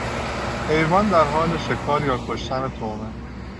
حیوان در حال شکار یا کشتن طعمه